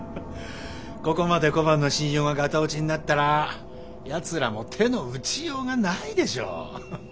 ここまで小判の信用ががた落ちになったらやつらも手の打ちようがないでしょう。